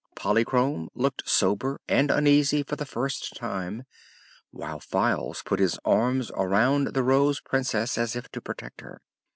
Polychrome looked sober and uneasy for the first time, while Files put his arms around the Rose Princess as if to protect her.